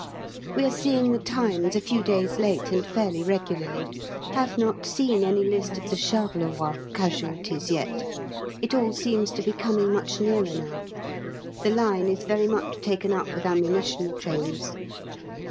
We are seeing the 'Times' a few days late and fairly regularly. Have not seen any list of the Charleroi casualties yet. It all seems to be coming much nearer now. The line is very much taken up with ammunition trains.